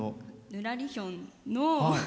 ぬらりひょんの。